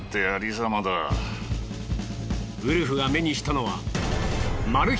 ウルフが目にしたのはマル秘